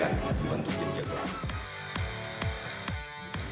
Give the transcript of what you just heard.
bukan untuk menjadi jagoan